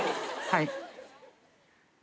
はい。